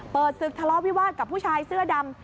ศึกทะเลาะวิวาสกับผู้ชายเสื้อดำ